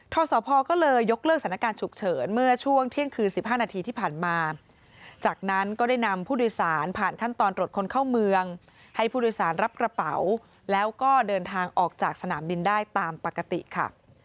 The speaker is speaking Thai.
ทศพก็เลยยกเลิกสถานการณ์ฉุกเฉินเมื่อช่วงเที่ยงคืน๑๕นาทีที่ผ่านมาจากนั้นก็ได้นำผู้โดยสารผ่านขั้นตอนตรวจคนเข้าเมืองให้ผู้โดยสารรับกระเป๋าแล้วก็เดินทางออกจากสนามบินได้ตามปกติค่ะ